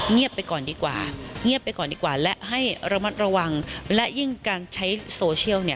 เงียบไปก่อนดีกว่าและให้ระวังและยิ่งการใช้โซเชียล